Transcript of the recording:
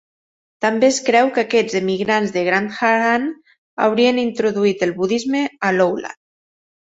També es creu que aquests emigrants de Gandharan haurien introduït el budisme a Loulan.